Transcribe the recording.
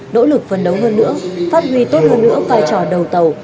nỗ lực phấn đấu hơn nữa phát huy tốt hơn nữa vai trò đầu tàu